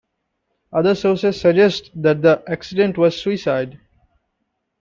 Other sources suggest that the accident was suicide.